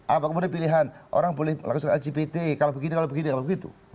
apakah pilihan orang boleh lakukan lgbt kalau begini kalau begitu